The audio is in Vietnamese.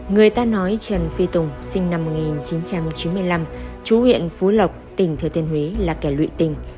người ta nói trần phi tùng sinh năm một nghìn chín trăm chín mươi năm chú huyện phú lộc tỉnh thừa thiên huế là kẻ lụy tình